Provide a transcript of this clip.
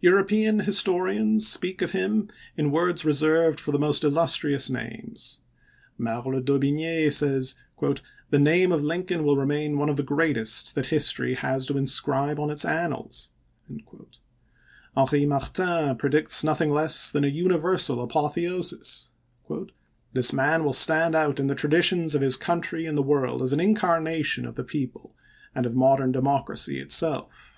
European historians speak of him in words reserved for the most illustrious names. Merle d'Aubigne says, " The name of Lin coln will remain one of the greatest that history has to inscribe on its annals.'' Henri Martin pre dicts nothing less than a universal apotheosis: " This man will stand out in the traditions of his country and the world as an incarnation of the people, and of modern democracy itself."